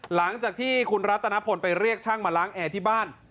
หลังจากที่คุณรัตนพลไปเรียกช่างมาล้างแอร์ที่บ้าน